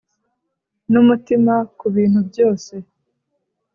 numutima kubintu byose;